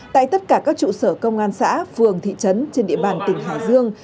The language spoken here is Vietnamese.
tại tất cả các trụ sở công an xã phường thị trấn trên địa bàn tỉnh hải dương